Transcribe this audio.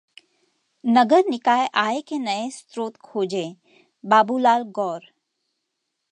नगर निकाय आय के नये स्रोत खोजें: बाबूलाल गौर